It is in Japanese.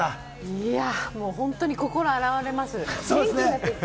いやぁ、本当に心、洗われます。